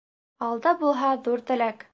Алда булһа ҙур теләк